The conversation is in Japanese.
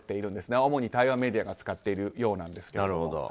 主に台湾メディアが使っているようなんですが。